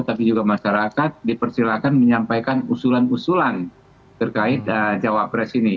tapi juga masyarakat dipersilakan menyampaikan usulan usulan terkait cawapres ini